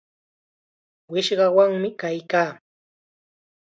Wishqawanmi kaykaa.